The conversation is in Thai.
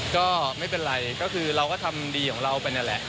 ก็ไม่เป็นไรก็คือเราก็ทำดีของเราไปนั่นแหละ